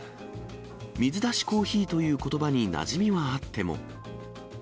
水出しコーヒーということばになじみはあっても。